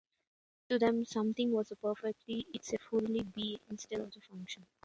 To them something was perfect if it fully be its intended function.